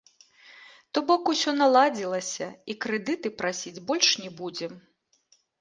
То бок усё наладзілася, і крэдыты прасіць больш не будзем.